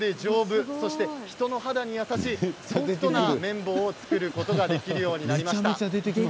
この方法によって簡単で丈夫そして人の肌に優しいソフトな綿棒を作ることができるようになりました。